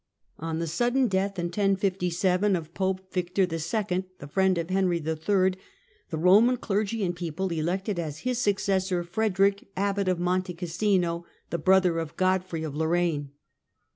On the sudden death, in 1057, of Pope Victor IL, the friend of Henry TIL, the Eoman clergy and people elected as his successor Frederick, abbot of Monte Cassino, the brother of Godfrey of Lorraine.